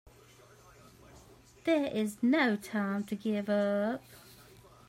This is no time to give up!